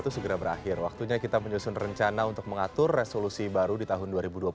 dua ribu dua puluh satu segera berakhir waktunya kita menyusun rencana untuk mengatur resolusi baru di tahun dua ribu dua puluh dua